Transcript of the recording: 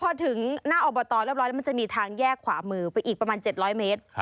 พอถึงหน้าอบตเรียบร้อยแล้วมันจะมีทางแยกขวามือไปอีกประมาณ๗๐๐เมตร